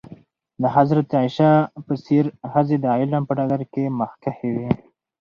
د حضرت عایشه په څېر ښځې د علم په ډګر کې مخکښې وې.